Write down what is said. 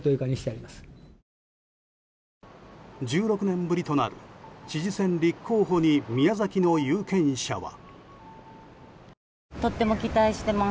１６年ぶりとなる知事選立候補に宮崎の有権者は。